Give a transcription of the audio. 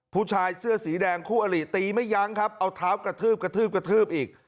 ผู้ชายเสื้อสีแดงคู่อลีตีไม่ยั้งเอาเท้ากระทืบอีก